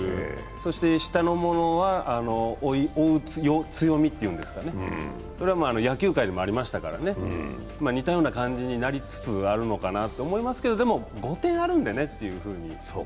そして下のものは追う強みっていうんですかね、野球界でもありましたからね、似たような感じになりつつあるのかなと思いますけどでも、５点あるんでねというふうに。